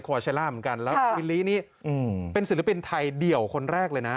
เชล่าเหมือนกันแล้ววิลลี่นี่เป็นศิลปินไทยเดี่ยวคนแรกเลยนะ